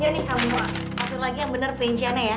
ya nih kamu atur lagi yang bener perinciannya ya